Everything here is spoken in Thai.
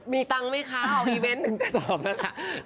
มีตังค์ไหมคะเอาอีเว้นต์หนึ่งจะสอบละค่ะ